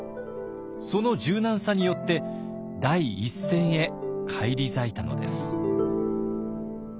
その柔軟さによって第一線へ返り咲いたのです。